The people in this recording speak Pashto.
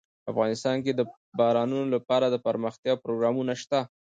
افغانستان کې د بارانونو لپاره دپرمختیا پروګرامونه شته.